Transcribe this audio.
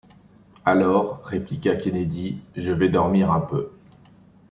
Alors, répliqua Kennedy, je vais dormir un peu.